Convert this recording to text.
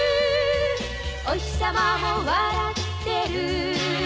「おひさまも笑ってる」